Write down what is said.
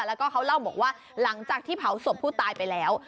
แล้วก็เขาเล่าบอกว่าหลังจากที่เผาศพผู้ตายไปแล้ว